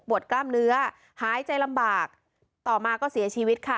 กล้ามเนื้อหายใจลำบากต่อมาก็เสียชีวิตค่ะ